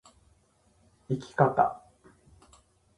生き方